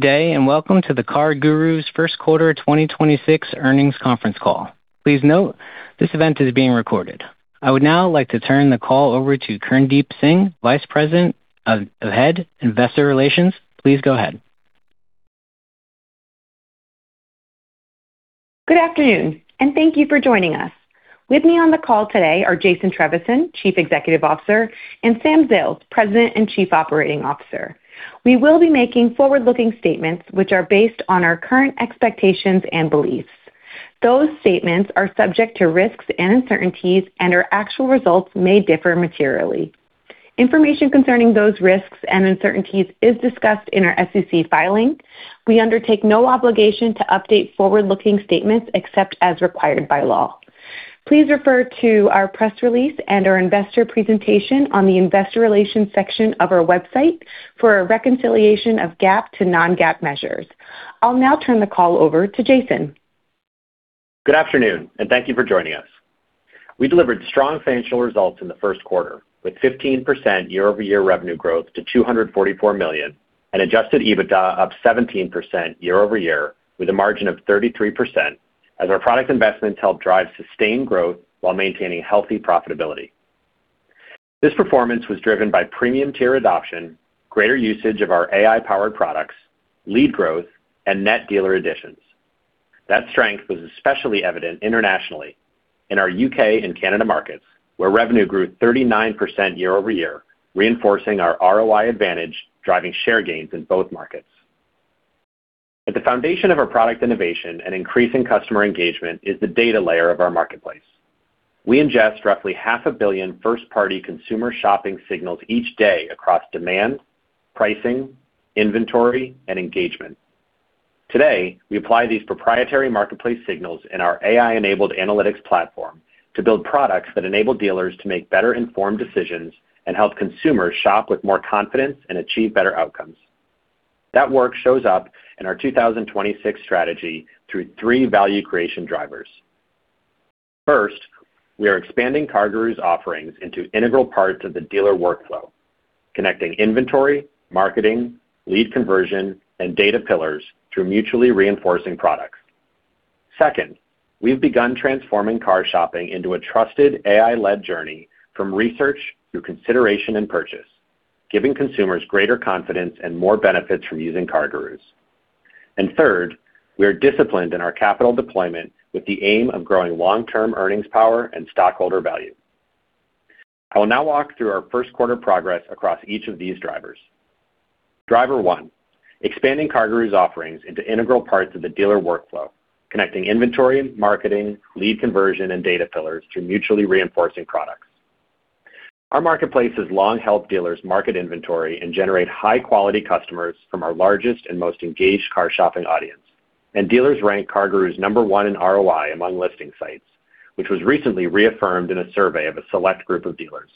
Good day, and welcome to the CarGurus first quarter 2026 earnings conference call. Please note, this event is being recorded. I would now like to turn the call over to Kirndeep Singh, Vice President, Head Investor Relations. Please go ahead. Good afternoon. Thank you for joining us. With me on the call today are Jason Trevisan, Chief Executive Officer, and Sam Zales, President and Chief Operating Officer. We will be making forward-looking statements which are based on our current expectations and beliefs. Those statements are subject to risks and uncertainties, and our actual results may differ materially. Information concerning those risks and uncertainties is discussed in our SEC filing. We undertake no obligation to update forward-looking statements except as required by law. Please refer to our press release and our investor presentation on the investor relations section of our website for a reconciliation of GAAP to non-GAAP measures. I'll now turn the call over to Jason. Good afternoon, thank you for joining us. We delivered strong financial results in the first quarter, with 15% year-over-year revenue growth to $244 million and adjusted EBITDA up 17% year-over-year with a margin of 33% as our product investments help drive sustained growth while maintaining healthy profitability. This performance was driven by premium tier adoption, greater usage of our AI-powered products, lead growth, and net dealer additions. That strength was especially evident internationally in our U.K. and Canada markets, where revenue grew 39% year-over-year, reinforcing our ROI advantage, driving share gains in both markets. At the foundation of our product innovation and increasing customer engagement is the data layer of our marketplace. We ingest roughly $500 million first-party consumer shopping signals each day across demand, pricing, inventory, and engagement. Today, we apply these proprietary marketplace signals in our AI-enabled analytics platform to build products that enable dealers to make better-informed decisions, and help consumers shop with more confidence, and achieve better outcomes. That work shows up in our 2026 strategy through three value creation drivers. First, we are expanding CarGurus offerings into integral parts of the dealer workflow, connecting inventory, marketing, lead conversion, and data pillars through mutually reinforcing products. Second, we've begun transforming car shopping into a trusted AI-led journey from research through consideration and purchase, giving consumers greater confidence and more benefits from using CarGurus. Third, we are disciplined in our capital deployment with the aim of growing long-term earnings power and stockholder value. I will now walk through our first quarter progress across each of these drivers. Expanding CarGurus offerings into integral parts of the dealer workflow, connecting inventory, marketing, lead conversion, and data pillars through mutually reinforcing products. Our marketplace has long helped dealers market inventory and generate high-quality customers from our largest and most engaged car shopping audience. Dealers rank CarGurus number one in ROI among listing sites, which was recently reaffirmed in a survey of a select group of dealers.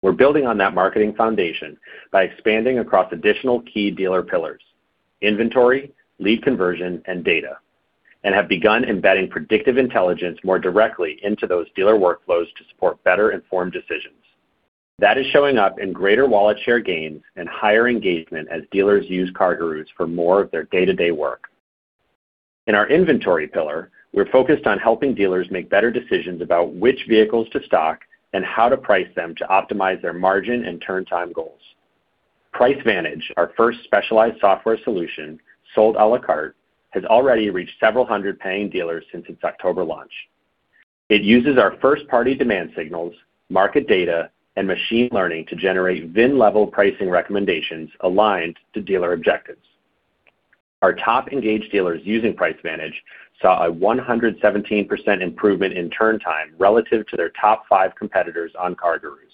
We're building on that marketing foundation by expanding across additional key dealer pillars: inventory, lead conversion, and data, and have begun embedding predictive intelligence more directly into those dealer workflows to support better-informed decisions. That is showing up in greater wallet share gains and higher engagement as dealers use CarGurus for more of their day-to-day work. In our inventory pillar, we're focused on helping dealers make better decisions about which vehicles to stock and how to price them to optimize their margin and turn time goals. PriceVantage, our first specialized software solution, sold à la carte, has already reached several hundred paying dealers since its October launch. It uses our first-party demand signals, market data, and machine learning to generate VIN-level pricing recommendations aligned to dealer objectives. Our top engaged dealers using PriceVantage saw a 117% improvement in turn time relative to their top five competitors on CarGurus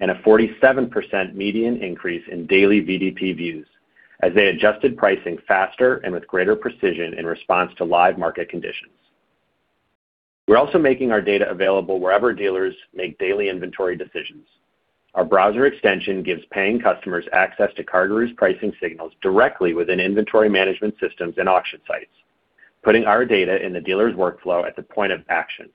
and a 47% median increase in daily VDP views as they adjusted pricing faster and with greater precision in response to live market conditions. We're also making our data available wherever dealers make daily inventory decisions. Our browser extension gives paying customers access to CarGurus pricing signals directly within inventory management systems and auction sites, putting our data in the dealer's workflow at the point of action.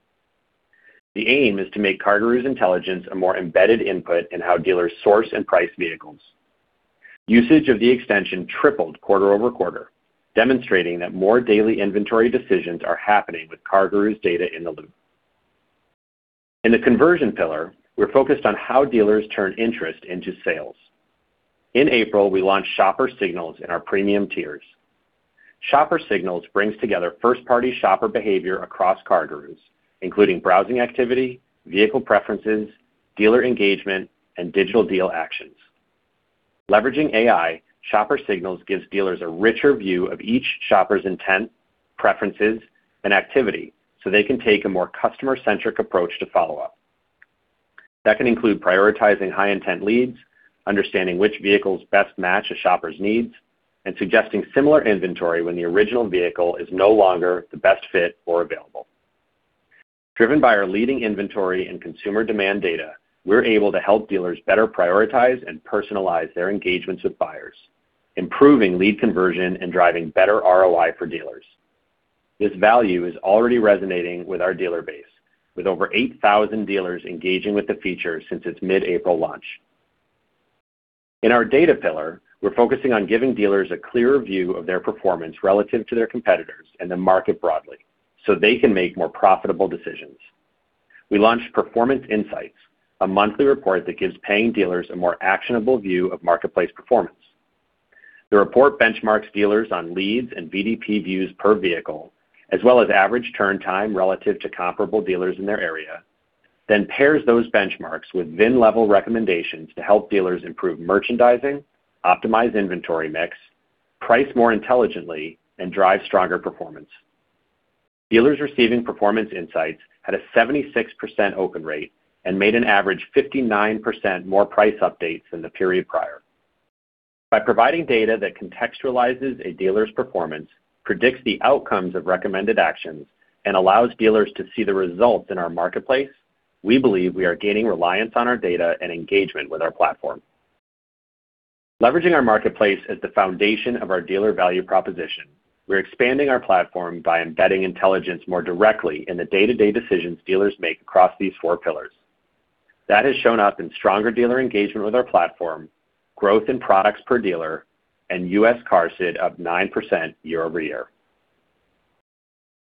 The aim is to make CarGurus intelligence a more embedded input in how dealers source and price vehicles. Usage of the extension tripled quarter-over-quarter, demonstrating that more daily inventory decisions are happening with CarGurus data in the loop. In the conversion pillar, we're focused on how dealers turn interest into sales. In April, we launched Shopper Signals in our premium tiers. Shopper Signals brings together first party shopper behavior across CarGurus, including browsing activity, vehicle preferences, dealer engagement, and Digital Deal actions. Leveraging AI, Shopper Signals gives dealers a richer view of each shopper's intent, preferences, and activity so they can take a more customer centric approach to follow-up. That can include prioritizing high-intent leads, understanding which vehicles best match a shopper's needs, and suggesting similar inventory when the original vehicle is no longer the best fit or available. Driven by our leading inventory and consumer demand data, we're able to help dealers better prioritize and personalize their engagements with buyers, improving lead conversion and driving better ROI for dealers. This value is already resonating with our dealer base, with over 8,000 dealers engaging with the feature since its mid-April launch. In our data pillar, we're focusing on giving dealers a clearer view of their performance relative to their competitors and the market broadly, so they can make more profitable decisions. We launched Performance Insights, a monthly report that gives paying dealers a more actionable view of marketplace performance. The report benchmarks dealers on leads and VDP views per vehicle, as well as average turn time relative to comparable dealers in their area, then pairs those benchmarks with VIN-level recommendations to help dealers improve merchandising, optimize inventory mix, price more intelligently, and drive stronger performance. Dealers receiving Performance Insights had a 76% open rate and made an average 59% more price updates than the period prior. By providing data that contextualizes a dealer's performance, predicts the outcomes of recommended actions, and allows dealers to see the results in our marketplace, we believe we are gaining reliance on our data and engagement with our platform. Leveraging our marketplace as the foundation of our dealer value proposition, we're expanding our platform by embedding intelligence more directly in the day-to-day decisions dealers make across these four pillars. That has shown up in stronger dealer engagement with our platform, growth in products per dealer, and U.S. QARSD up 9% year-over-year.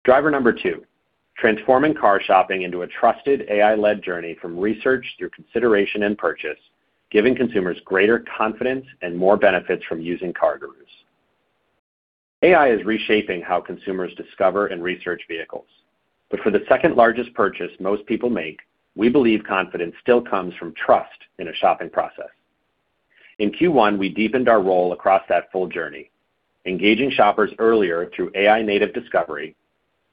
Driver number two, transforming car shopping into a trusted AI-led journey from research through consideration and purchase, giving consumers greater confidence and more benefits from using CarGurus. AI is reshaping how consumers discover and research vehicles. For the second-largest purchase most people make, we believe confidence still comes from trust in a shopping process. In Q1, we deepened our role across that full journey, engaging shoppers earlier through AI-native discovery,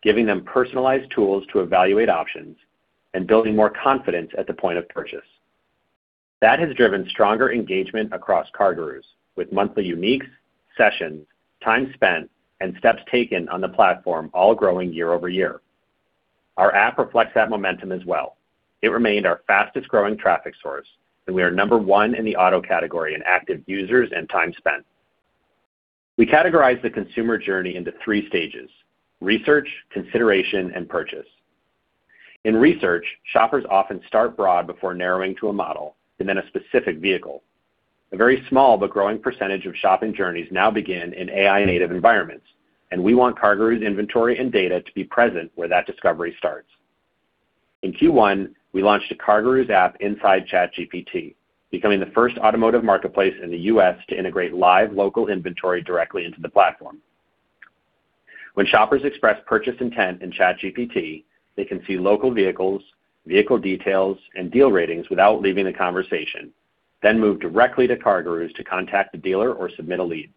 giving them personalized tools to evaluate options, and building more confidence at the point of purchase. That has driven stronger engagement across CarGurus, with monthly uniques, sessions, time spent, and steps taken on the platform all growing year-over-year. Our app reflects that momentum as well. It remained our fastest-growing traffic source, and we are number one in the auto category in active users and time spent. We categorize the consumer journey into three stages: research, consideration, and purchase. In research, shoppers often start broad before narrowing to a model, and then a specific vehicle. A very small but growing percentage of shopping journeys now begin in AI-native environments, and we want CarGurus' inventory and data to be present where that discovery starts. In Q1, we launched a CarGurus app inside ChatGPT, becoming the first automotive marketplace in the U.S. to integrate live local inventory directly into the platform. When shoppers express purchase intent in ChatGPT, they can see local vehicles, vehicle details, and deal ratings without leaving the conversation, then move directly to CarGurus to contact the dealer or submit a lead.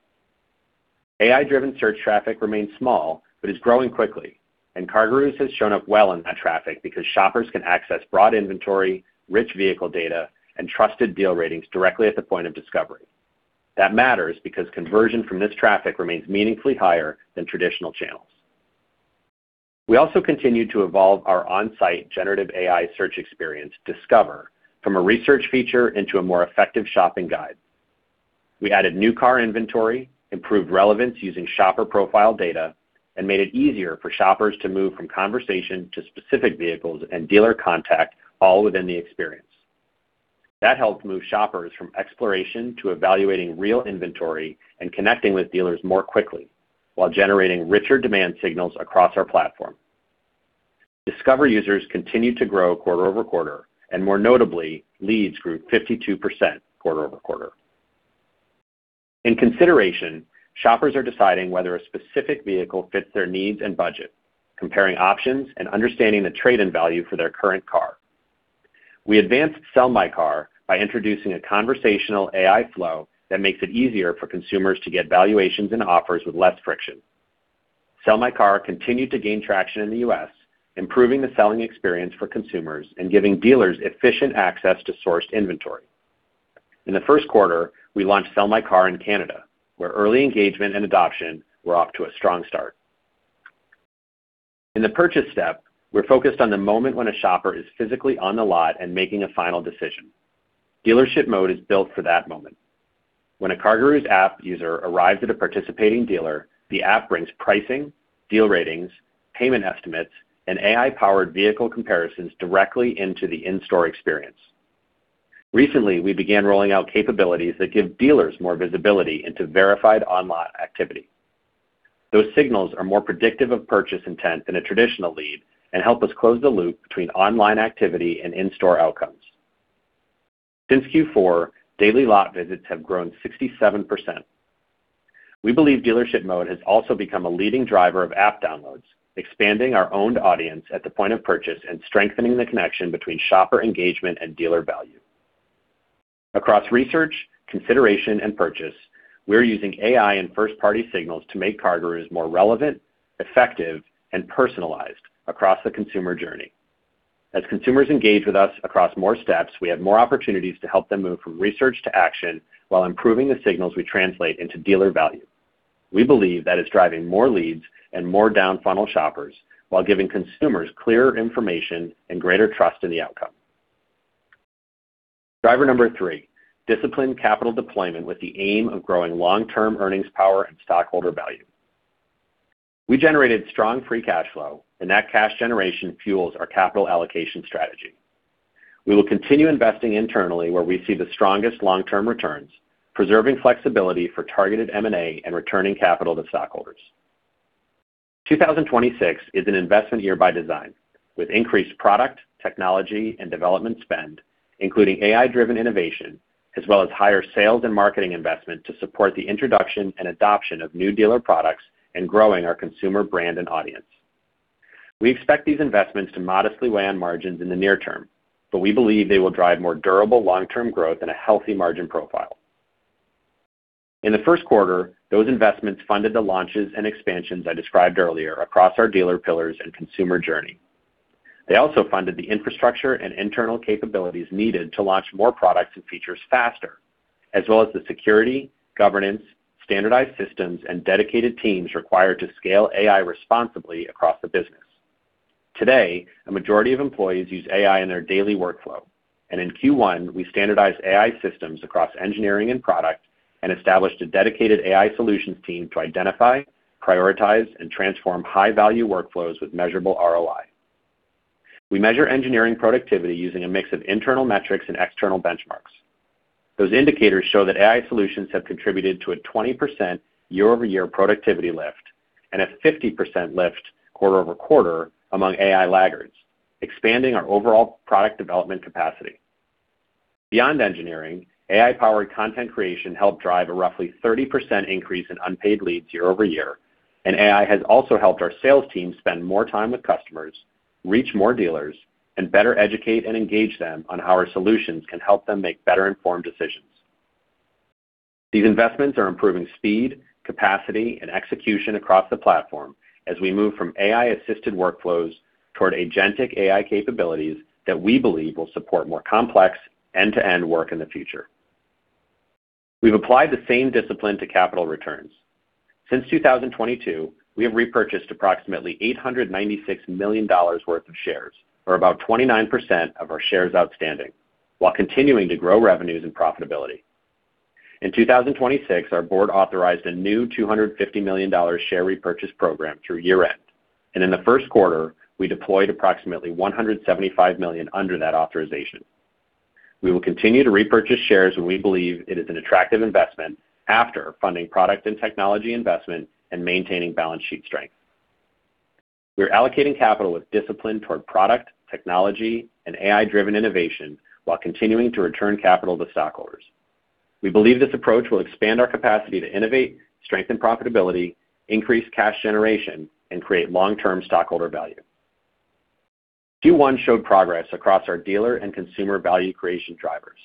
AI-driven search traffic remains small but is growing quickly, and CarGurus has shown up well in that traffic because shoppers can access broad inventory, rich vehicle data, and trusted deal ratings directly at the point of discovery. That matters because conversion from this traffic remains meaningfully higher than traditional channels. We also continued to evolve our on-site generative AI search experience Discover from a research feature into a more effective shopping guide. We added new car inventory, improved relevance using shopper profile data, and made it easier for shoppers to move from conversation to specific vehicles and dealer contact all within the experience. That helped move shoppers from exploration to evaluating real inventory and connecting with dealers more quickly while generating richer demand signals across our platform. Discover users continued to grow quarter-over-quarter, and more notably, leads grew 52% quarter-over-quarter. In consideration, shoppers are deciding whether a specific vehicle fits their needs and budget, comparing options, and understanding the trade-in value for their current car. We advanced Sell My Car by introducing a conversational AI flow that makes it easier for consumers to get valuations and offers with less friction. Sell My Car continued to gain traction in the U.S., improving the selling experience for consumers and giving dealers efficient access to sourced inventory. In the first quarter, we launched Sell My Car in Canada, where early engagement and adoption were off to a strong start. In the purchase step, we're focused on the moment when a shopper is physically on the lot and making a final decision. Dealership Mode is built for that moment. When a CarGurus app user arrives at a participating dealer, the app brings pricing, deal ratings, payment estimates, and AI-powered vehicle comparisons directly into the in-store experience. Recently, we began rolling out capabilities that give dealers more visibility into verified online activity. Those signals are more predictive of purchase intent than a traditional lead and help us close the loop between online activity and in-store outcomes. Since Q4, daily lot visits have grown 67%. We believe Dealership Mode has also become a leading driver of app downloads, expanding our owned audience at the point of purchase and strengthening the connection between shopper engagement and dealer value. Across research, consideration, and purchase, we're using AI and first-party signals to make CarGurus more relevant, effective, and personalized across the consumer journey. As consumers engage with us across more steps, we have more opportunities to help them move from research to action while improving the signals we translate into dealer value. We believe that is driving more leads and more down-funnel shoppers while giving consumers clearer information and greater trust in the outcome. Driver number three: disciplined capital deployment with the aim of growing long-term earnings power and stockholder value. We generated strong free cash flow, and that cash generation fuels our capital allocation strategy. We will continue investing internally where we see the strongest long-term returns, preserving flexibility for targeted M&A, and returning capital to stockholders. 2026 is an investment year by design, with increased product, technology, and development spend, including AI-driven innovation, as well as higher sales and marketing investment to support the introduction and adoption of new dealer products and growing our consumer brand and audience. We expect these investments to modestly weigh on margins in the near term, but we believe they will drive more durable long-term growth and a healthy margin profile. In the first quarter, those investments funded the launches and expansions I described earlier across our dealer pillars and consumer journey. They also funded the infrastructure and internal capabilities needed to launch more products and features faster, as well as the security, governance, standardized systems, and dedicated teams required to scale AI responsibly across the business. Today, a majority of employees use AI in their daily workflow, and in Q1, we standardized AI systems across engineering and product, and established a dedicated AI solutions team to identify, prioritize, and transform high-value workflows with measurable ROI. We measure engineering productivity using a mix of internal metrics and external benchmarks. Those indicators show that AI solutions have contributed to a 20% year-over-year productivity lift and a 50% lift quarter-over-quarter among AI laggards, expanding our overall product development capacity. Beyond engineering, AI-powered content creation helped drive a roughly 30% increase in unpaid leads year-over-year, and AI has also helped our sales team spend more time with customers, reach more dealers, and better educate and engage them on how our solutions can help them make better-informed decisions. These investments are improving speed, capacity, and execution across the platform as we move from AI-assisted workflows toward agentic AI capabilities that we believe will support more complex end-to-end work in the future. We've applied the same discipline to capital returns. Since 2022, we have repurchased approximately $896 million worth of shares, or about 29% of our shares outstanding, while continuing to grow revenues and profitability. In 2026, our board authorized a new $250 million share repurchase program through year-end, and in the first quarter, we deployed approximately $175 million under that authorization. We will continue to repurchase shares when we believe it is an attractive investment after funding product and technology investment and maintaining balance sheet strength. We are allocating capital with discipline toward product, technology, and AI-driven innovation while continuing to return capital to stockholders. We believe this approach will expand our capacity to innovate, strengthen profitability, increase cash generation, and create long-term stockholder value. Q1 showed progress across our dealer and consumer value creation drivers.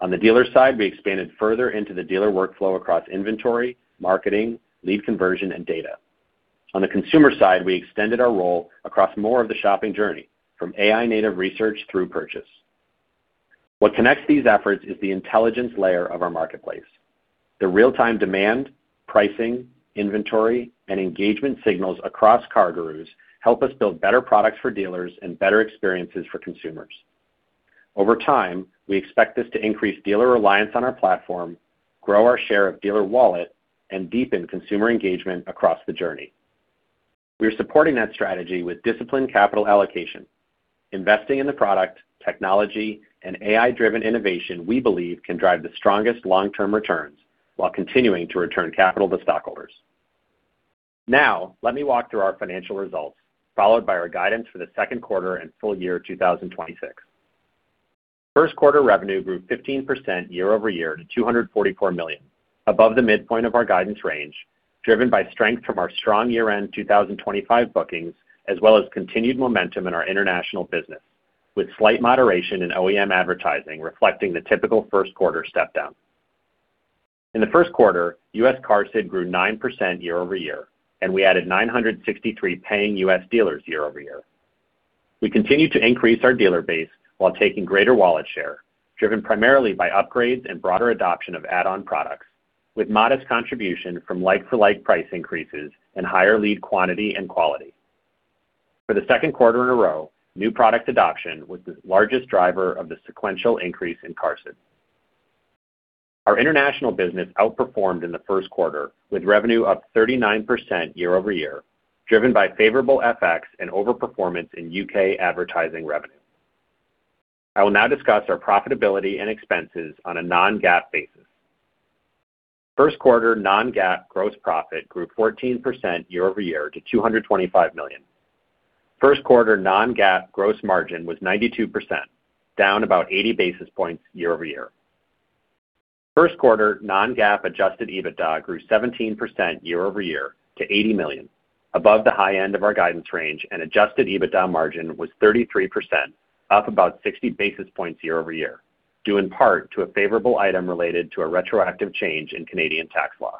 On the dealer side, we expanded further into the dealer workflow across inventory, marketing, lead conversion, and data. On the consumer side, we extended our role across more of the shopping journey from AI-native research through purchase. What connects these efforts is the intelligence layer of our marketplace. The real-time demand, pricing, inventory, and engagement signals across CarGurus help us build better products for dealers and better experiences for consumers. Over time, we expect this to increase dealer reliance on our platform, grow our share of dealer wallet, and deepen consumer engagement across the journey. We are supporting that strategy with disciplined capital allocation, investing in the product, technology, and AI-driven innovation we believe can drive the strongest long-term returns while continuing to return capital to stockholders. Now, let me walk through our financial results, followed by our guidance for the second quarter and full year 2026. First quarter revenue grew 15% year-over-year to $244 million, above the midpoint of our guidance range, driven by strength from our strong year-end 2025 bookings, as well as continued momentum in our international business, with slight moderation in OEM advertising reflecting the typical first quarter step down. In the first quarter, U.S. QARSD grew 9% year-over-year, and we added 963 paying U.S. dealers year-over-year. We continued to increase our dealer base while taking greater wallet share, driven primarily by upgrades and broader adoption of add-on products, with modest contribution from like-for-like price increases and higher lead quantity and quality. For the second quarter in a row, new product adoption was the largest driver of the sequential increase in QARSD. Our international business outperformed in the first quarter, with revenue up 39% year-over-year, driven by favorable FX and overperformance in U.K. advertising revenue. I will now discuss our profitability and expenses on a non-GAAP basis. First quarter non-GAAP gross profit grew 14% year-over-year to $225 million. First quarter non-GAAP gross margin was 92%, down about 80 basis points year-over-year. First quarter non-GAAP adjusted EBITDA grew 17% year-over-year to $80 million, above the high end of our guidance range, and adjusted EBITDA margin was 33%, up about 60 basis points year-over-year, due in part to a favorable item related to a retroactive change in Canadian tax law.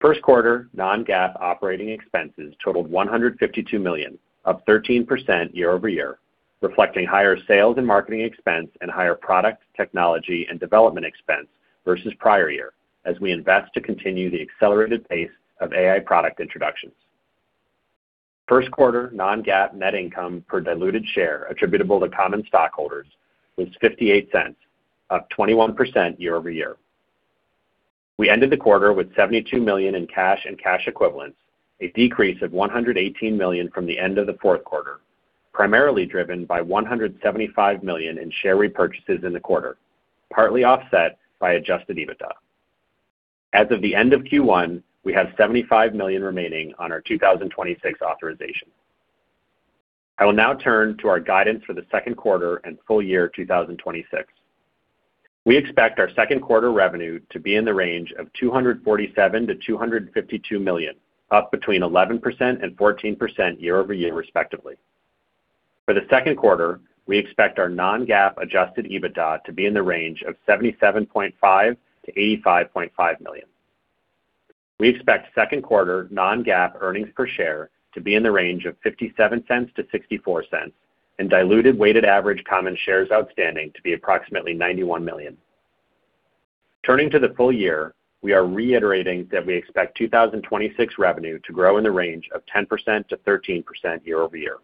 First quarter non-GAAP operating expenses totaled $152 million, up 13% year-over-year, reflecting higher sales and marketing expense and higher product, technology, and development expense versus prior year as we invest to continue the accelerated pace of AI product introductions. First quarter non-GAAP net income per diluted share attributable to common stockholders was $0.58, up 21% year-over-year. We ended the quarter with $72 million in cash and cash equivalents, a decrease of $118 million from the end of the fourth quarter, primarily driven by $175 million in share repurchases in the quarter, partly offset by adjusted EBITDA. As of the end of Q1, we have $75 million remaining on our 2026 authorization. I will now turn to our guidance for the second quarter and full year 2026. We expect our second quarter revenue to be in the range of $247 million-$252 million, up between 11% and 14% year-over-year respectively. For the second quarter, we expect our non-GAAP adjusted EBITDA to be in the range of $77.5 million-$85.5 million. We expect second quarter non-GAAP earnings per share to be in the range of $0.57-$0.64 and diluted weighted average common shares outstanding to be approximately 91 million. Turning to the full year, we are reiterating that we expect 2026 revenue to grow in the range of 10%-13% year-over-year.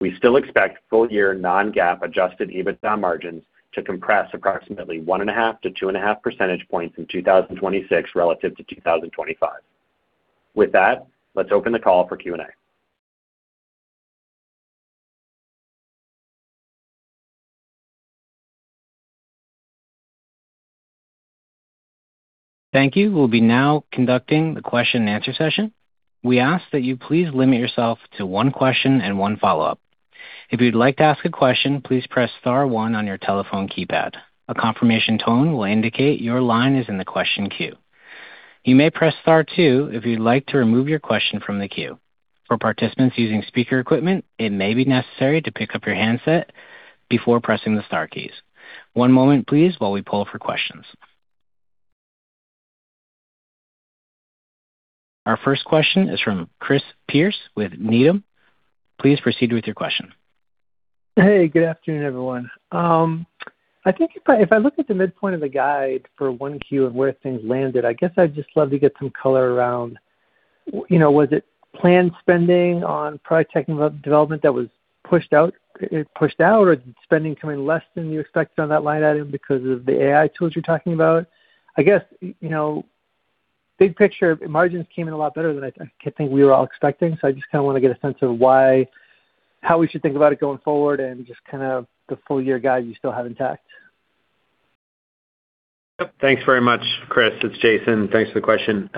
We still expect full year non-GAAP adjusted EBITDA margins to compress approximately 1.5-2.5 percentage points in 2026 relative to 2025. With that, let's open the call for Q&A. Thank you. We'll be now conducting the question and answer session. We ask that you please limit yourself to one question and one follow-up. If you'd like to ask a question, please press star one on your telephone keypad. A confirmation tone will indicate your line is in the question queue. You may press star two if you'd like to remove your question from the queue. For participants using speaker equipment, it may be necessary to pick up your handset before pressing the star keys. One moment please while we pull for questions. Our first question is from Chris Pierce with Needham. Please proceed with your question. Good afternoon, everyone. I think if I look at the midpoint of the guide for 1Q of where things landed, I guess I'd just love to get some color around, you know, was it planned spending on product technical development that was pushed out, or spending coming less than you expected on that line item because of the AI tools you're talking about? I guess, you know, big picture margins came in a lot better than I think we were all expecting. I just kinda wanna get a sense of why how we should think about it going forward and just kind of the full year guide you still have intact? Yep. Thanks very much, Chris. It's Jason. Thanks for the question.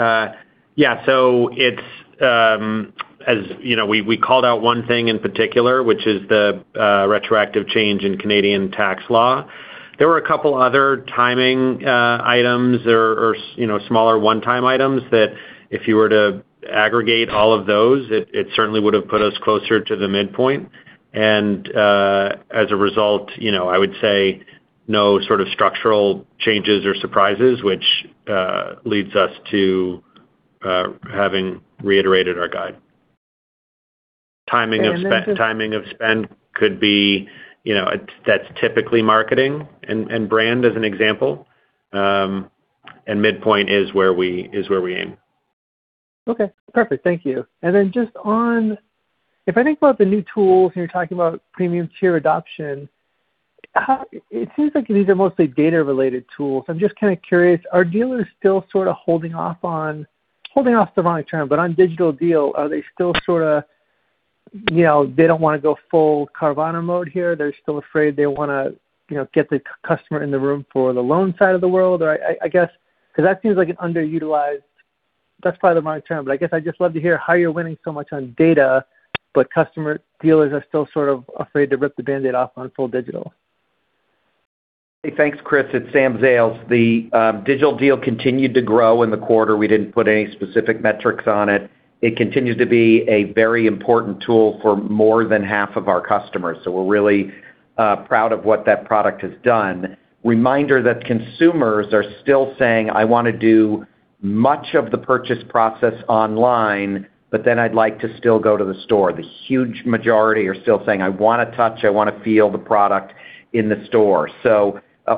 Yeah, so it's, as you know, we called out one thing in particular, which is the retroactive change in Canadian tax law. There were a couple other timing items or, you know, smaller one-time items that if you were to aggregate all of those, it certainly would have put us closer to the midpoint. As a result, you know, I would say no sort of structural changes or surprises, which leads us to having reiterated our guide. And then just- Timing of spend could be, you know, that's typically marketing and brand as an example. Midpoint is where we aim. Okay, perfect. Thank you. Just on if I think about the new tools, and you're talking about premium tier adoption, it seems like these are mostly data-related tools. I'm just kinda curious, are dealers still sorta holding off the wrong term, but on Digital Deal, are they still sorta, you know, they don't wanna go full Carvana mode here. They're still afraid they wanna, you know, get the customer in the room for the loan side of the world? Or I guess, 'cause that seems like an underutilized That's probably the wrong term, but I guess I'd just love to hear how you're winning so much on data, but customer dealers are still sort of afraid to rip the band-aid off on full digital. Hey, thanks Chris. It's Sam Zales. The Digital Deal continued to grow in the quarter. We didn't put any specific metrics on it. It continued to be a very important tool for more than 50% of our customers. We're really proud of what that product has done. Reminder that consumers are still saying, "I wanna do much of the purchase process online, but then I'd like to still go to the store." The huge majority are still saying, "I wanna touch, I wanna feel the product in the store."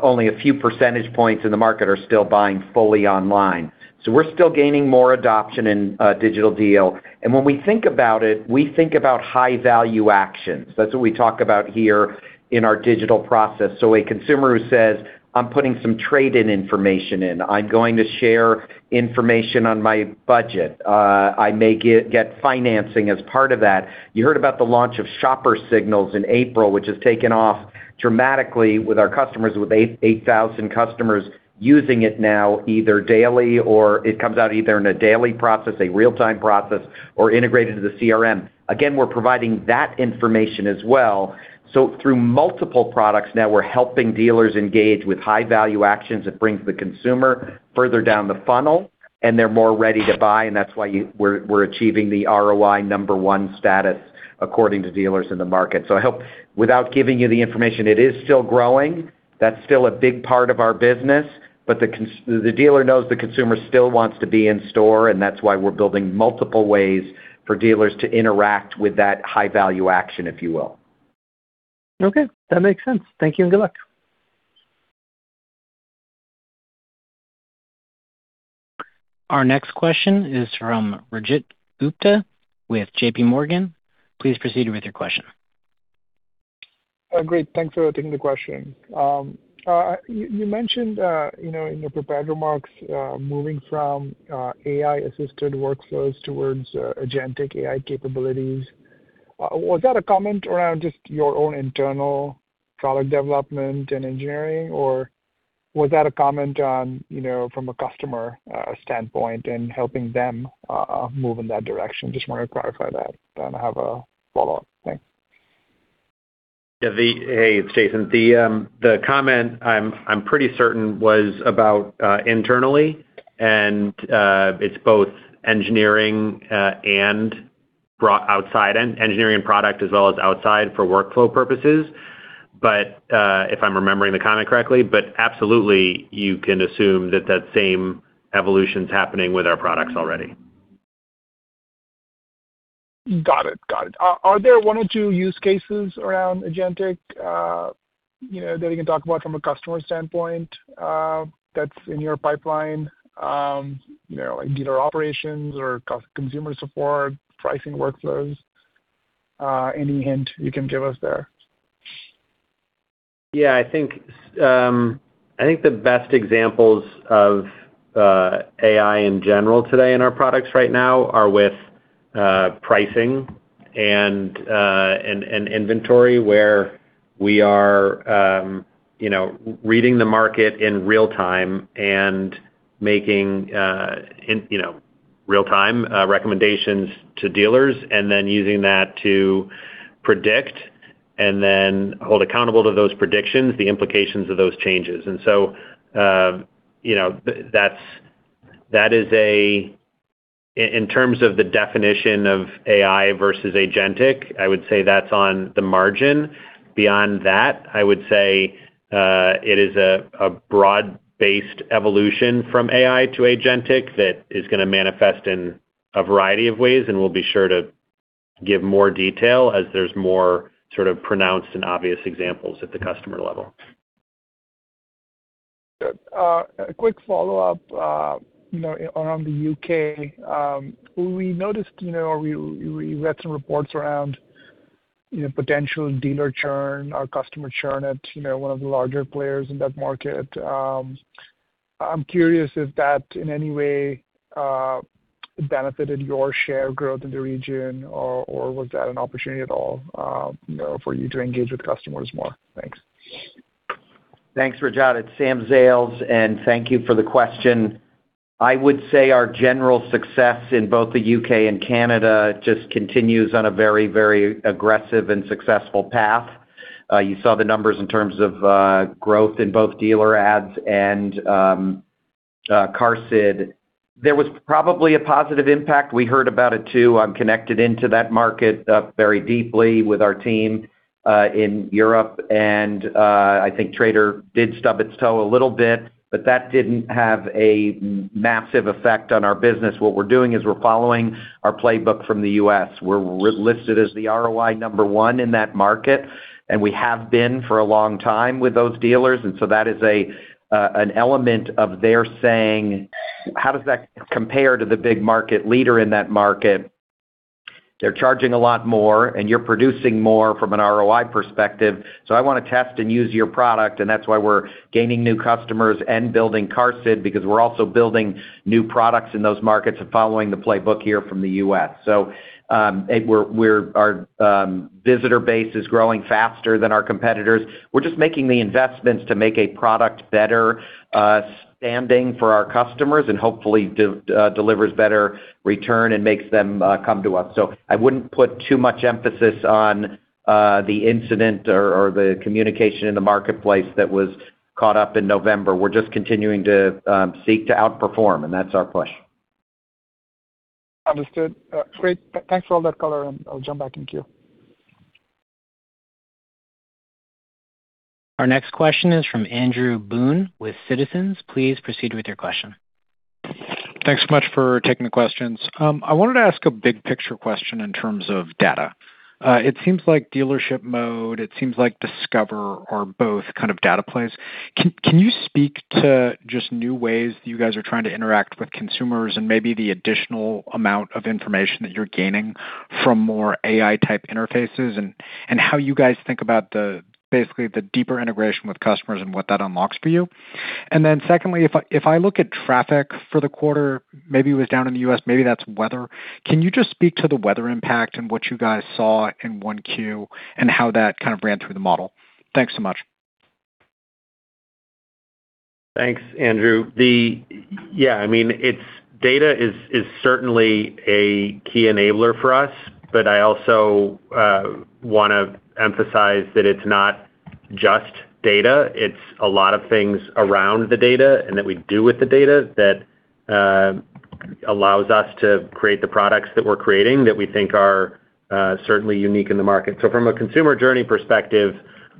Only a few percentage points in the market are still buying fully online. We're still gaining more adoption in Digital Deal. When we think about it, we think about high value actions. That's what we talk about here in our digital process. A consumer who says, "I'm putting some trade-in information in. I'm going to share information on my budget. I may get financing as part of that. You heard about the launch of Shopper Signals in April, which has taken off dramatically with our customers, with 8,000 customers using it now either daily or it comes out either in a daily process, a real-time process, or integrated to the CRM. Again, we're providing that information as well. Through multiple products now we're helping dealers engage with high value actions that brings the consumer further down the funnel, and they're more ready to buy, and that's why you we're achieving the ROI number one status according to dealers in the market. I hope without giving you the information, it is still growing. That's still a big part of our business. The dealer knows the consumer still wants to be in store, that's why we're building multiple ways for dealers to interact with that high value action, if you will. Okay. That makes sense. Thank you, and good luck. Our next question is from Rajat Gupta with JPMorgan. Please proceed with your question. Oh, great. Thanks for taking the question. You mentioned, you know, in your prepared remarks, moving from AI-assisted workflows towards agentic AI capabilities. Was that a comment around just your own internal product development and engineering, or was that a comment on, you know, from a customer standpoint and helping them move in that direction? Just wanna clarify that. Then I have a follow-up. Thanks. Yeah. Hey, it's Jason. The comment I'm pretty certain was about internally and it's both engineering, and outside and engineering product as well as outside for workflow purposes. If I'm remembering the comment correctly. Absolutely, you can assume that that same evolution's happening with our products already. Got it. Got it. Are there one or two use cases around agentic, you know, that you can talk about from a customer standpoint, that's in your pipeline, you know, like dealer operations or consumer support, pricing workflows? Any hint you can give us there? I think the best examples of AI in general today in our products right now are with pricing and inventory where we are, you know, reading the market in real time and making, you know, real time recommendations to dealers, and then using that to predict and then hold accountable to those predictions the implications of those changes. You know, that's, that is in terms of the definition of AI versus agentic, I would say that's on the margin. Beyond that, I would say it is a broad-based evolution from AI to agentic that is gonna manifest in a variety of ways, and we'll be sure to give more detail as there's more sort of pronounced and obvious examples at the customer level. Good. A quick follow-up, you know, around the U.K. We noticed, you know, or we read some reports around, you know, potential dealer churn or customer churn at, you know, one of the larger players in that market. I'm curious if that in any way, benefited your share growth in the region or was that an opportunity at all, you know, for you to engage with customers more? Thanks. Thanks, Rajat. It's Sam Zales, and thank you for the question. I would say our general success in both the U.K. and Canada just continues on a very, very aggressive and successful path. You saw the numbers in terms of growth in both dealer ads and QARSD. There was probably a positive impact. We heard about it too. I'm connected into that market very deeply with our team in Europe and I think Autotrader did stub its toe a little bit, but that didn't have a massive effect on our business. What we're doing is we're following our playbook from the U.S. We're listed as the ROI number one in that market, and we have been for a long time with those dealers. That is an element of their saying, "How does that compare to the big market leader in that market? They're charging a lot more, and you're producing more from an ROI perspective, so I want to test and use your product." That's why we're gaining new customers and building QARSD, because we're also building new products in those markets and following the playbook here from the U.S. Our visitor base is growing faster than our competitors. We're just making the investments to make a product better standing for our customers, and hopefully delivers better return and makes them come to us. I wouldn't put too much emphasis on the incident or the communication in the marketplace that was caught up in November. We're just continuing to seek to outperform, and that's our push. Understood. Great. Thanks for all that color, and I'll jump back in queue. Our next question is from Andrew Boone with Citizens. Please proceed with your question. Thanks so much for taking the questions. I wanted to ask a big-picture question in terms of data. It seems like Dealership Mode, it seems like Discover are both kind of data plays. Can you speak to just new ways you guys are trying to interact with consumers, and maybe the additional amount of information that you're gaining from more AI-type interfaces, and how you guys think about the-basically-the deeper integration with customers and what that unlocks for you? Secondly, if I look at traffic for the quarter, maybe it was down in the U.S.-maybe that's weather. Can you just speak to the weather impact and what you guys saw in 1Q, and how that kind of ran through the model? Thanks so much. Thanks, Andrew. Data is certainly a key enabler for us, but I also wanna emphasize that it's not just data-it's a lot of things around the data, and that we do with the data, that allows us to create the products that we're creating, that we think are certainly unique in the market. From a consumer's journey perspective,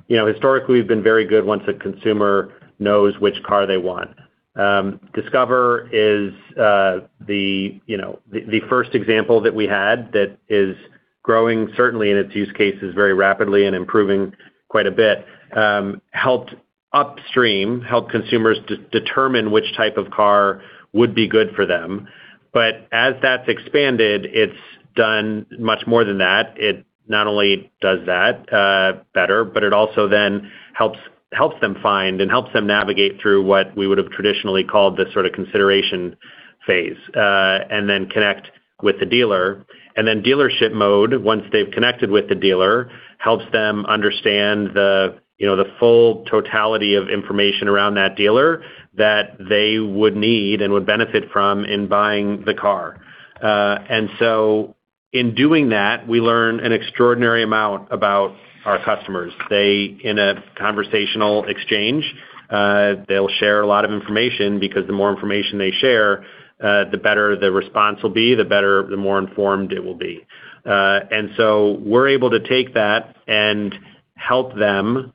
you know, historically we've been very good once a consumer knows which car they want. Discover is the, you know, the first example that we had that is growing certainly in its use cases very rapidly and improving quite a bit, help consumers determine which type of car would be good for them. As that's expanded, it's done much more than that. It not only does that better, but it also then helps them find, and helps them navigate through, what we would have traditionally called the sort of consideration phase, and then connect with the dealer. Dealership Mode, once they've connected with the dealer, helps them understand the, you know, the full totality of information around that dealer that they would need and would benefit from in buying the car. In doing that, we learn an extraordinary amount about our customers. They, in a conversational exchange, they'll share a lot of information because the more information they share, the better the response will be, the more informed it will be. We're able to take that and help them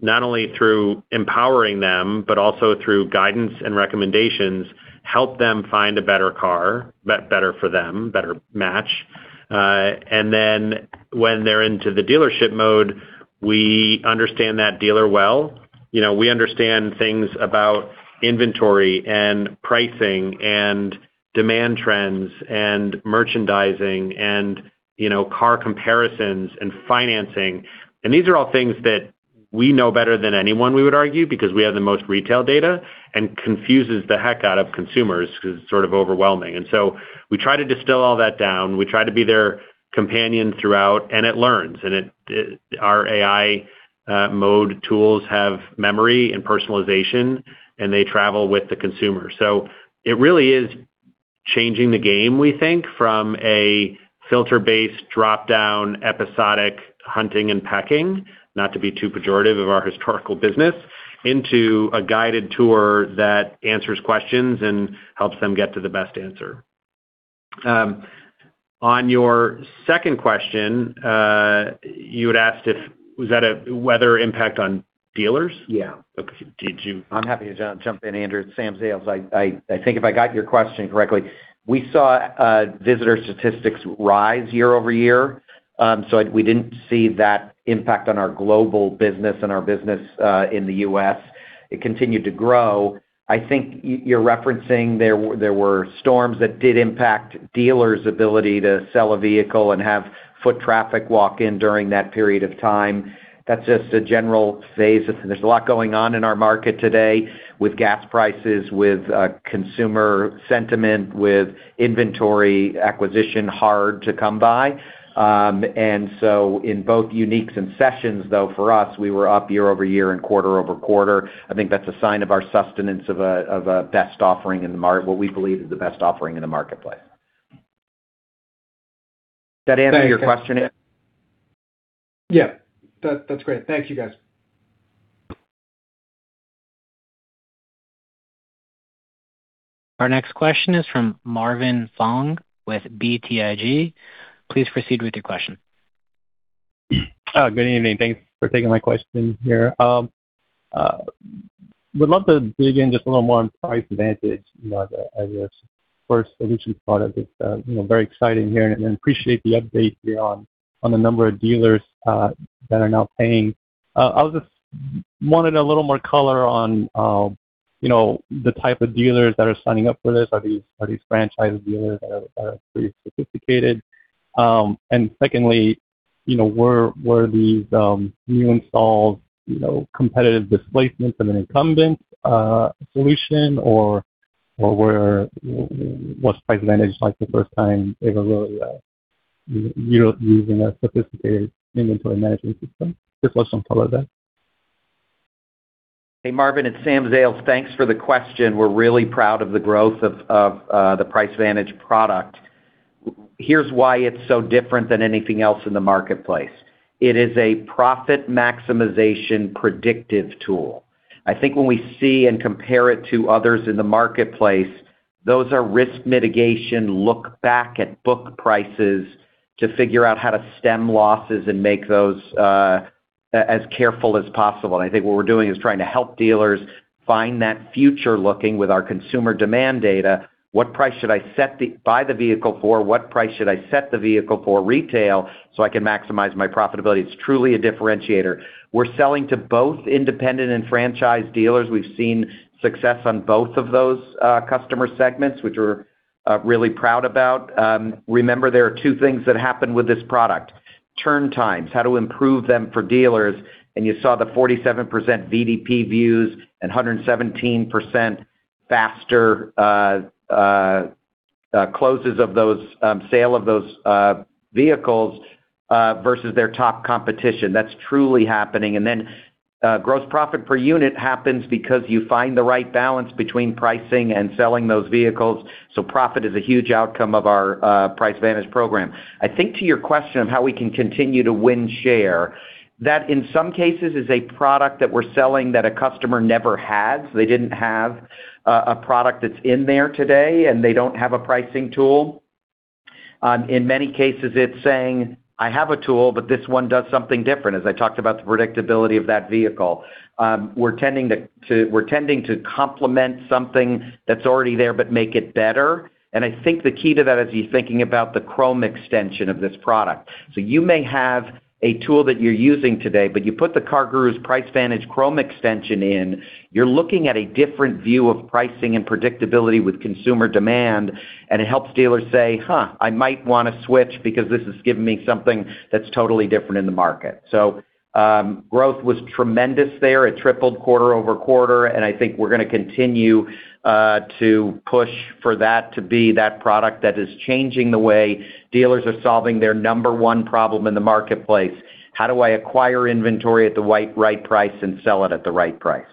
not only through empowering them, but also through guidance and recommendations-help them find a better car, better for them, better match. When they're into the Dealership Mode, we understand that dealer well. You know, we understand things about inventory and pricing, and demand trends, and merchandising and, you know, car comparisons and financing. These are all things that we know better than anyone, we would argue, because we have the most retail data, and confuses the heck out of consumers because it's sort of overwhelming. We try to distill all that down. We try to be their companion throughout, and it learns. Our AI-mode tools have memory and personalization, and they travel with the consumer. It really is changing the game, we think, from a filter-based, drop-down, episodic hunting and pecking-not to be too pejorative of our historical business-into a guided tour that answers questions and helps them get to the best answer. On your second question, you had asked if, was that a weather impact on dealers? Yeah. Did you- I'm happy to jump in, Andrew. It's Sam Zales. I think if I got your question correctly, we saw visitor statistics rise year-over-year. We didn't see that impact on our global business and our business in the U.S. It continued to grow. I think you're referencing there were storms that did impact dealers' ability to sell a vehicle and have foot traffic walk in during that period of time. That's just a general phase. There's a lot going on in our market today with gas prices, with consumer sentiment, with inventory acquisition hard to come by. In both uniques and sessions, though, for us, we were up year-over-year and quarter-over-quarter. I think that's a sign of a best offering in what we believe is the best offering in the marketplace. Does that answer your question, Andrew? Yeah. That's great. Thank you, guys. Our next question is from Marvin Fong with BTIG. Please proceed with your question. Good evening. Thanks for taking my question here. Would love to dig in just a little more on PriceVantage, you know, as your first solution product. It's, you know, very exciting to hear, and I appreciate the update here on the number of dealers that are now paying. I was just wanting a little more color on, you know, the type of dealers that are signing up for this. Are these franchised dealers that are pretty sophisticated? Secondly, you know, were these new installs, you know, competitive displacements of an incumbent solution or was PriceVantage like the first time they were really using a sophisticated inventory management system? Just want some color there. Hey, Marvin, it's Sam Zales. Thanks for the question. We're really proud of the growth of the PriceVantage product. Here's why it's so different than anything else in the marketplace. It is a profit maximization predictive tool. I think when we see and compare it to others in the marketplace, those are risk mitigation, look back at book prices to figure out how to stem losses and make those as careful as possible. I think what we're doing is trying to help dealers find that future looking with our consumer demand data. What price should I set to buy the vehicle for? What price should I set the vehicle for retail so I can maximize my profitability? It's truly a differentiator. We're selling to both independent and franchise dealers. We've seen success on both of those customer segments, which we're really proud about. Remember there are two things that happen with this product. Turn times, how to improve them for dealers. You saw the 47% VDP views and 117% faster closes of those sale of those vehicles versus their top competition. That's truly happening. Gross profit per unit happens because you find the right balance between pricing and selling those vehicles. Profit is a huge outcome of our PriceVantage program. I think to your question of how we can continue to win share, that in some cases is a product that we're selling that a customer never had. They didn't have a product that's in there today, and they don't have a pricing tool. In many cases, it's saying, "I have a tool, but this one does something different," as I talked about the predictability of that vehicle. We're tending to complement something that's already there but make it better. I think the key to that is you're thinking about the Chrome extension of this product. You may have a tool that you're using today, but you put the CarGurus PriceVantage Chrome extension in, you're looking at a different view of pricing and predictability with consumer demand, and it helps dealers say, "Huh, I might wanna switch because this is giving me something that's totally different in the market." Growth was tremendous there. It tripled quarter-over-quarter. I think we're gonna continue to push for that to be that product that is changing the way dealers are solving their number one problem in the marketplace: how do I acquire inventory at the right price and sell it at the right price?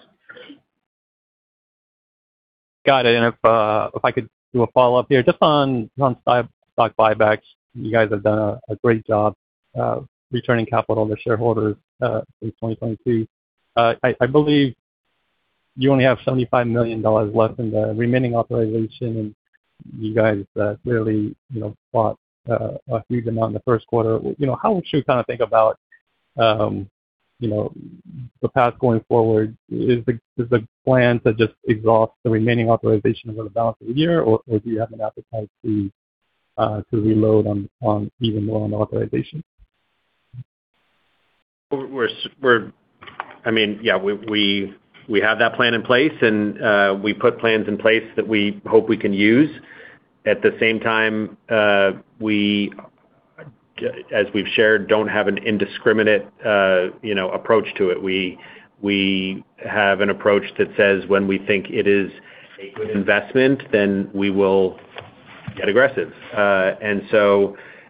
Got it. If I could do a follow-up here, just on stock buybacks. You guys have done a great job returning capital to shareholders in 2022. I believe you only have $75 million left in the remaining authorization, and you guys really, you know, bought a huge amount in the first quarter. You know, how should we kinda think about, you know, the path going forward? Is the plan to just exhaust the remaining authorization over the balance of the year, or do you have an appetite to reload on even more on the authorization? I mean, yeah, we, we have that plan in place and we put plans in place that we hope we can use. At the same time, we, as we've shared, don't have an indiscriminate, you know, approach to it. We have an approach that says when we think it is a good investment, then we will get aggressive.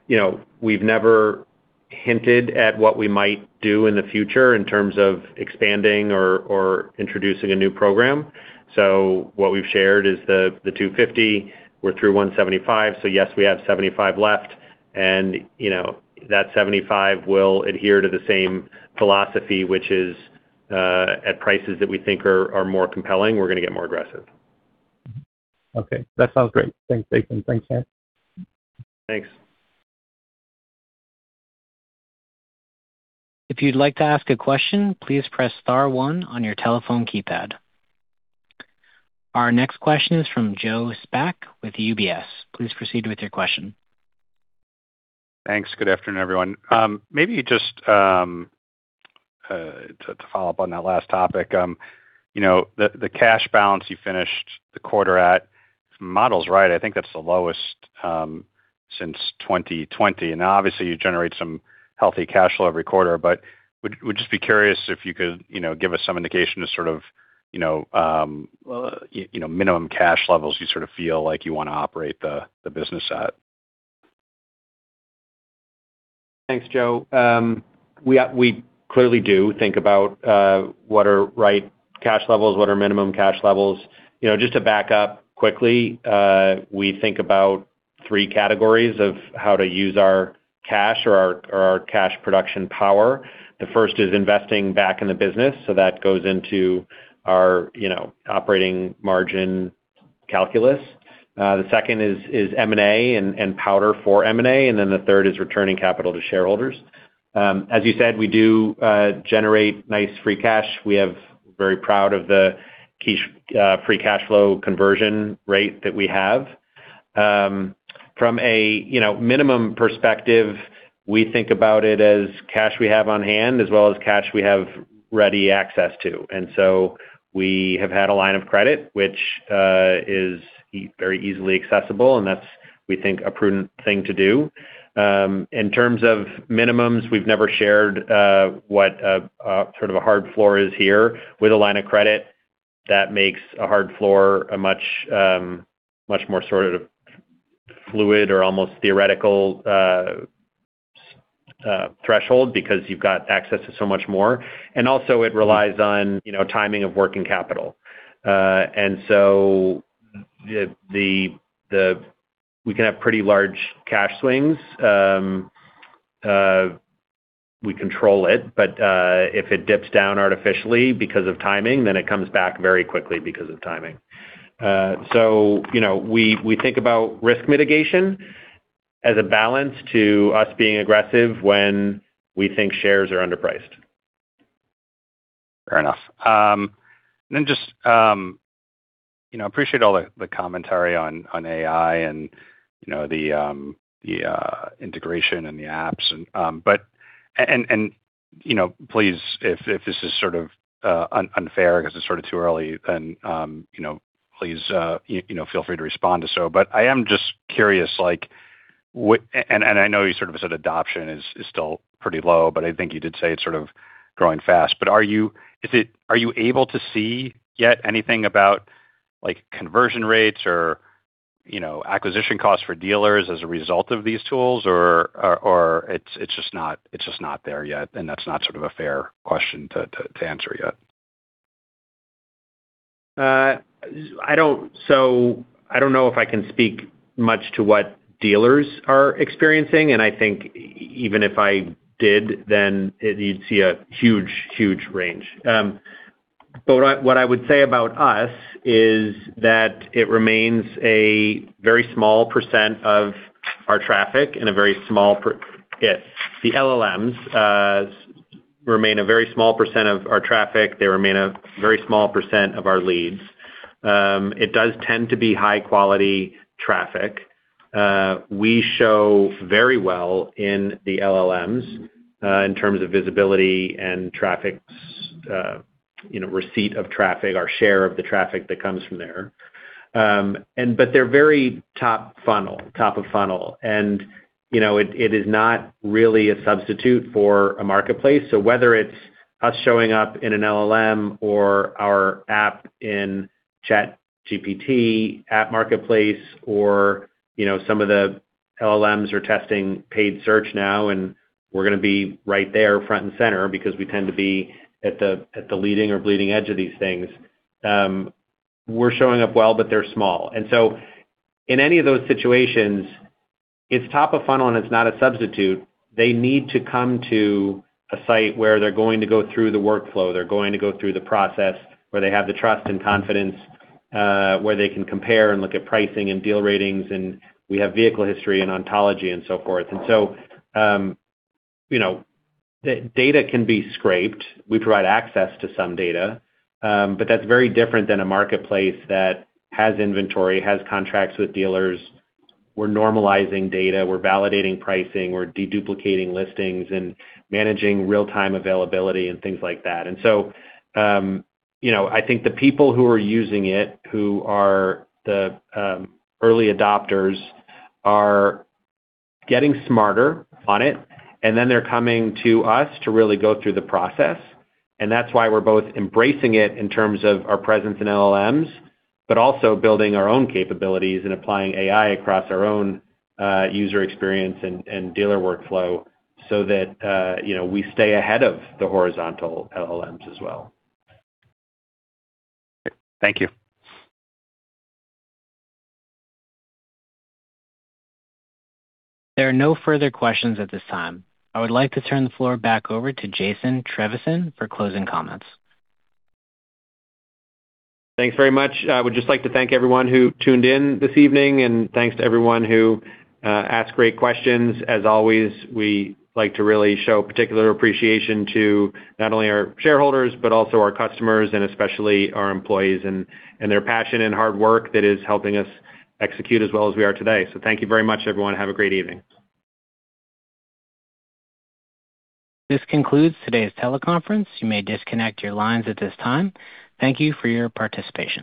You know, we've never hinted at what we might do in the future in terms of expanding or introducing a new program. What we've shared is the $250 million. We're through $175 million. Yes, we have $75 million left, and, you know, that $75 million will adhere to the same philosophy, which is, at prices that we think are more compelling, we're gonna get more aggressive. Okay. That sounds great. Thanks, Jason. Thanks, Sam. Thanks. If you like to ask a question, please press star one on your telephone keypad. Our next question is from Joe Spak with UBS. Please proceed with your question. Thanks. Good afternoon, everyone. Maybe just to follow up on that last topic. You know, the cash balance you finished the quarter at, if the model's right, I think that's the lowest since 2020. Obviously, you generate some healthy cash flow every quarter, but would just be curious if you could, you know, give us some indication to sort of, you know, minimum cash levels you sort of feel like you wanna operate the business at? Thanks, Joe. We clearly do think about what are right cash levels, what are minimum cash levels. You know, just to back up quickly, we think about three categories of how to use our cash or our cash production power. The first is investing back in the business, that goes into our, you know, operating margin calculus. The second is M&A and powder for M&A, the third is returning capital to shareholders. As you said, we do generate nice free cash. Very proud of the free cash flow conversion rate that we have. From a, you know, minimum perspective, we think about it as cash we have on hand as well as cash we have ready access to. We have had a line of credit which is very easily accessible, and that's, we think, a prudent thing to do. In terms of minimums, we've never shared what a sort of a hard floor is here. With a line of credit, that makes a hard floor a much, much more sort of fluid or almost theoretical threshold because you've got access to so much more. Also it relies on, you know, timing of working capital. So, we can have pretty large cash swings. We control it, but if it dips down artificially because of timing, then it comes back very quickly because of timing. So, you know, we think about risk mitigation as a balance to us being aggressive when we think shares are underpriced. Fair enough. And then just, you know, appreciate all the commentary on AI and, you know, the integration and the apps. You know, please, if this is sort of unfair 'cause it's sort of too early, then, you know, please, you know, feel free to respond to so. I am just curious, like, and I know you sort of said adoption is still pretty low, but I think you did say it's sort of growing fast. Are you able to see yet anything about, like, conversion rates or, you know, acquisition costs for dealers as a result of these tools? Or it's just not there yet, and that's not sort of a fair question to answer yet? I don't know if I can speak much to what dealers are experiencing, and I think even if I did, you'd see a huge, huge range. What I would say about us is that it remains a very small percent of our traffic and a very small percent. Yeah, the LLMs remain a very small percent of our traffic. They remain a very small percent of our leads. It does tend to be high quality traffic. We show very well in the LLMs in terms of visibility and traffic, you know, receipt of traffic, our share of the traffic that comes from there. They're very top funnel, top of funnel. You know, it is not really a substitute for a marketplace. Whether it's us showing up in an LLM or our app in ChatGPT app marketplace or, you know, some of the LLMs are testing paid search now, and we're gonna be right there front and center because we tend to be at the leading or bleeding edge of these things. We're showing up well, but they're small. In any of those situations, it's top of funnel, and it's not a substitute. They need to come to a site where they're going to go through the workflow, they're going to go through the process, where they have the trust and confidence, where they can compare and look at pricing and deal ratings, and we have vehicle history and ontology and so forth. You know, data can be scraped. We provide access to some data, but that's very different than a marketplace that has inventory, has contracts with dealers. We're normalizing data. We're validating pricing. We're de-duplicating listings and managing real-time availability and things like that. You know, I think the people who are using it, who are the early adopters, are getting smarter on it, and then they're coming to us to really go through the process. That's why we're both embracing it in terms of our presence in LLMs but also building our own capabilities and applying AI across our own user experience and dealer workflow so that, you know, we stay ahead of the horizontal LLMs as well. Thank you. There are no further questions at this time. I would like to turn the floor back over to Jason Trevisan for closing comments. Thanks very much. I would just like to thank everyone who tuned in this evening, and thanks to everyone who asked great questions. As always, we like to really show particular appreciation to not only our shareholders but also our customers, and especially our employees and their passion and hard work that is helping us execute as well as we are today. Thank you very much, everyone. Have a great evening. This concludes today's teleconference. You may disconnect your lines at this time. Thank you for your participation.